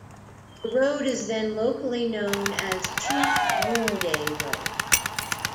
The road is then locally known as Chief Noonday Road.